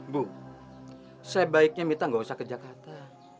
bu saya baiknya mita nggak usah ke jakarta